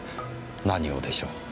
何をでしょう？